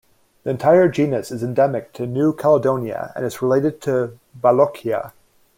The entire genus is endemic to New Caledonia and is related to "Baloghia".